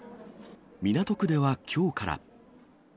港区ではきょうから。